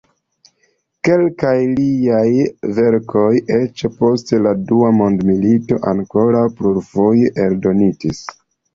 Kelkaj liaj verkoj eĉ post la Dua mondmilito ankoraŭ plurfoje eldonitis.